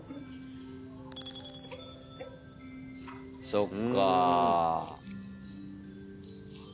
そっか。